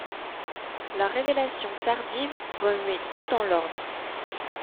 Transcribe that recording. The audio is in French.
La révélation tardive remet tout dans l'ordre.